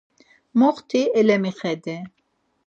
Moxti elemixedi.